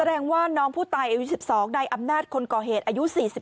น้องว่าน้องผู้ตายอายุ๑๒นายอำนาจคนก่อเหตุอายุ๔๒